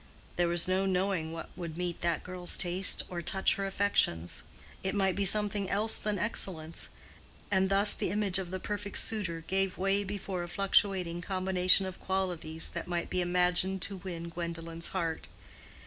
There was no knowing what would meet that girl's taste or touch her affections—it might be something else than excellence; and thus the image of the perfect suitor gave way before a fluctuating combination of qualities that might be imagined to win Gwendolen's heart.